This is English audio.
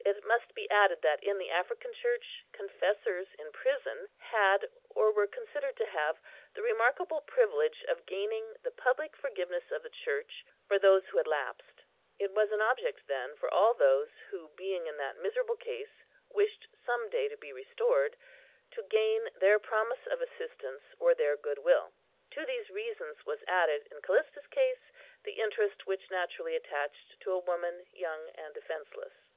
It must be added that in the African Church confessors in prison had, or were considered to have, the remarkable privilege of gaining the public forgiveness of the Church for those who had lapsed; it was an object, then, for all those who, being in that miserable case, wished some day to be restored, to gain their promise of assistance, or their good will. To these reasons was added, in Callista's case, the interest which naturally attached to a woman, young and defenceless.